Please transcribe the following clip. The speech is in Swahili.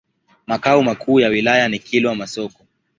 Makao makuu ya wilaya ni Kilwa Masoko.